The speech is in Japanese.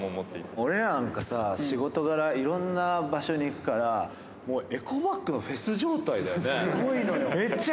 俺らなんかさ、仕事柄、いろんな場所に行くから、エコバッグのフェス状態だよね。